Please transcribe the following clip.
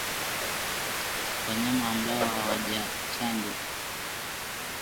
Wanyama ambao hawajachanjwa